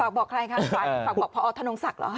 ฝากบอกใครครับฝากบอกพระออทธนงศักดิ์หรือ